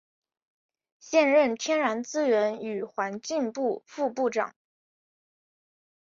现任天然资源与环境部副部长。